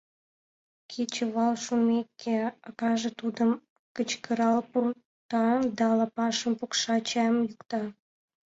Кечывал шумеке, акаже тудым кычкырал пурта да лапашым пукша, чайым йӱкта.